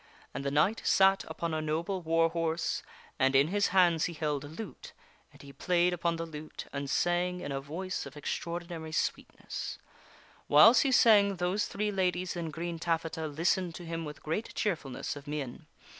And the knight sat upon a noble war ladies in green, horse, and in his hands he held a lute, and he played upon the lute and sang in a voice of extraordinary sweetness. Whiles he sang those three ladies in green taffeta listened to him with great cheerfulness of mien.